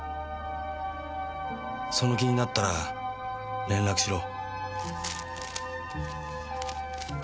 「その気になったら連絡しろ」